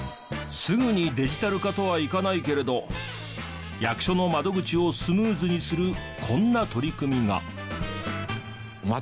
すぐにデジタル化とはいかないけれど役所の窓口をスムーズにするこんな取り組みが。